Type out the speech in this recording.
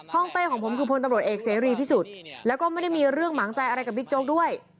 เต้ของผมคือพลตำรวจเอกเสรีพิสุทธิ์แล้วก็ไม่ได้มีเรื่องหมางใจอะไรกับบิ๊กโจ๊กด้วย